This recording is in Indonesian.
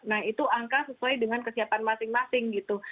nah itu angka sesuai dengan kesiapan masing masing gitu